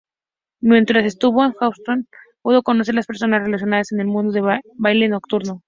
Mientras estuvo en Houston pudo conocer personas relacionadas con el mundo del baile nocturno.